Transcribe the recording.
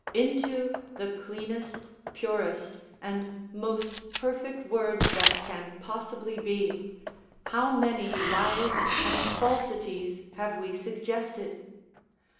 Into the cleanest, purest, and most perfect words that can possibly be, how many lies and falsities have we suggested!